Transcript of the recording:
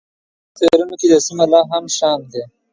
زما په خیالونو کې دا سیمه لا هم شام دی.